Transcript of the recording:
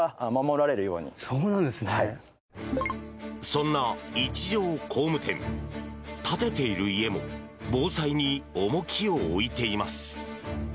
そんな一条工務店建てている家も防災に重きを置いています。